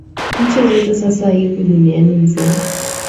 nchi zote sasa hivi dunia nzima